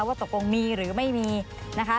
ว่าตกลงมีหรือไม่มีนะคะ